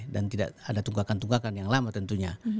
dan tidak ada tunggakan tunggakan yang lama tentunya